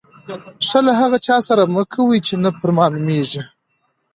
ښه له هغه چا سره مه کوئ، چي نه پر معلومېږي.